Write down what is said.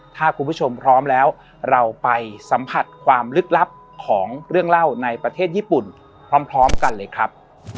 ถ้าคุณผู้ชมพร้อมแล้วเราไปสัมผัสความลึกลับของเรื่องเล่าในประเทศญี่ปุ่นพร้อมกันเลยครับ